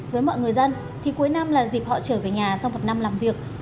với mọi người dân thì cuối năm là dịp họ trở về nhà sau một năm làm việc